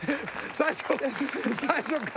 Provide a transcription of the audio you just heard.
最初最初から。